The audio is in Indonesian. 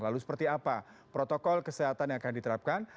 lalu seperti apa protokol kesehatan yang akan diterapkan